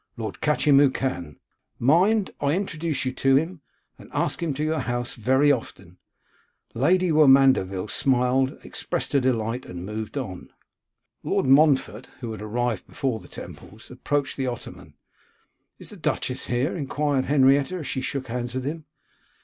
Lord Catchimwhocan. Mind, I introduce you to him, and ask him to your house very often.' Lady Womandeville smiled, expressed her delight, and moved on. Lord Montfort, who had arrived before the Temples, approached the ottoman. 'Is the duchess here?' enquired Henrietta, as she shook hands with him.